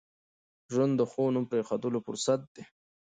ژوند د ښو نوم پرېښوولو فرصت دی.